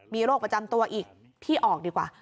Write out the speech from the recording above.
มีโรคประจำตัวอีกพี่ออกดีกว่า